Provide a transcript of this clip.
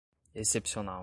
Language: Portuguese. excepcional